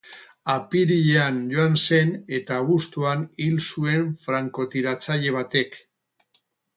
Apirilean joan zen eta abuztuan hil zuen frankotiratzaile batek.